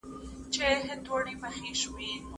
بې له قانونه سياست هيڅکله نه سي پايېدلی.